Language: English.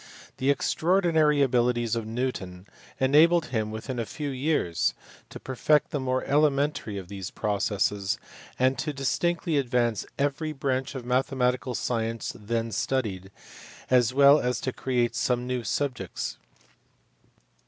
The extraordinary abilities of Newton enabled him within a few years to perfect the more elementary of those processes, and to distinctly advance every branch of mathematical science then studied, as well as to create some new subjects.